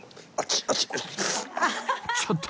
ちょっと！